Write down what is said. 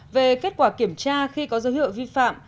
về kết quả kiểm tra khi có dấu hiệu vi phạm